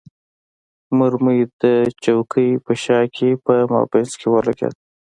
مرمۍ د چوکۍ په شا کې په مابین کې ولګېده.